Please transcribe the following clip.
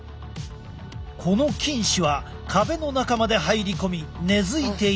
この菌糸は壁の中まで入り込み根づいている。